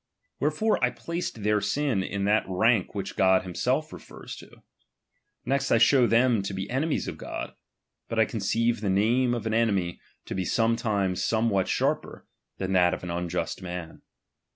Wherefore I placed their sin in that rank which God himself refers to. Next I show them to be enemies of God, But I conceive the name of an enemy to be sometimes somewhat sharper, than that of an unjust man.